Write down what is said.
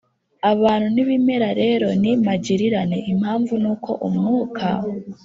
abantu n'ibimera rero ni magirirane. impamvu ni uko umwuka